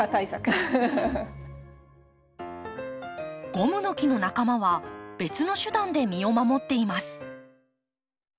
ゴムノキの仲間は別の手段で身を守っています。